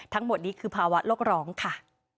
ทั้งหมดนี้คือภาวะโลกร้องค่ะ